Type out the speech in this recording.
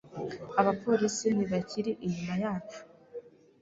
Abapolisi ntibakiri inyuma yacu.